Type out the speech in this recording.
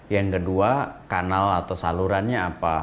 yang kedua kanal atau salurannya apa